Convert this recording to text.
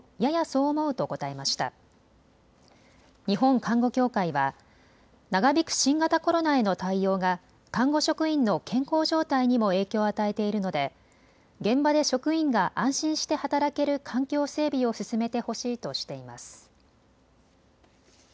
日本看護協会は長引く新型コロナへの対応が看護職員の健康状態にも影響を与えているので現場で職員が安心して働ける環境整備を進めてほしいとしています。